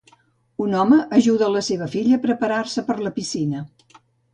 Un home ajuda a la seva filla a preparar-se per la piscina.